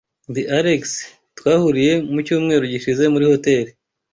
Ndi Alex. Twahuriye mu cyumweru gishize muri hoteri.